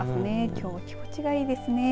きょうは気持ちがいいですね。